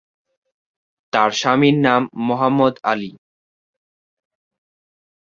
তার স্বামীর নাম মোহাম্মদ আলী।